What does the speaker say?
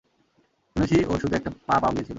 শুনেছি ওর শুধু একটা পা পাওয়া গিয়েছিল।